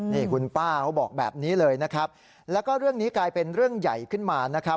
นี่คุณป้าเขาบอกแบบนี้เลยนะครับแล้วก็เรื่องนี้กลายเป็นเรื่องใหญ่ขึ้นมานะครับ